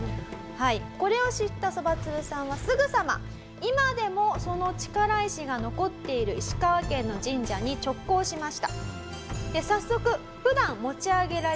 これを知ったそばつぶさんはすぐさま今でもその力石が残っている石川県の神社に直行しました。